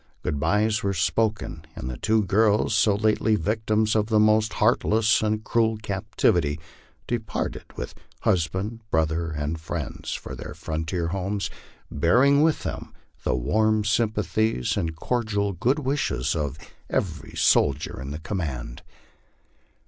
Good bys were spoken, and the two girls, so lately victims of the most heartless and cruel captivity, departed, with husband, brother, and friends, for their frontier homes, bearing with them the warm sympathies .and cordial good wishes of every soldier in the command.